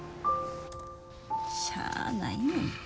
しゃあないねんて。